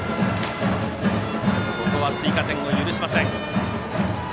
ここは追加点を許しません。